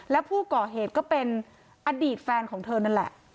และผู้ก่อเหตุก็เป็นอดีตแฟนของเธอนั่นแหละ